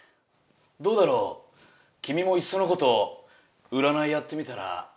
どうだろうきみもいっそのことうらないやってみたら。